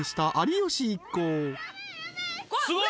すごい！